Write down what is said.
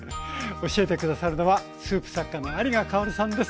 教えて下さるのはスープ作家の有賀薫さんです。